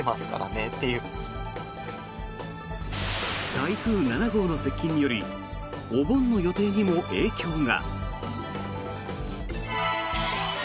台風７号の接近によりお盆の予定にも影響が。